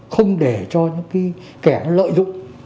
không để cho những kẻ lợi dụng